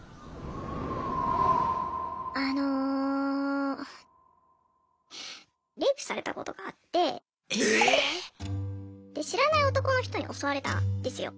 あのレイプされたことがあって。知らない男の人に襲われたんですよ。